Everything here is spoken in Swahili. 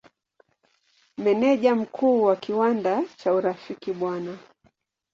Meneja Mkuu wa kiwanda cha Urafiki Bw.